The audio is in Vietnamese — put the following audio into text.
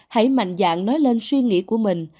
hãy mạnh dạng nói lên suy nghĩ của mình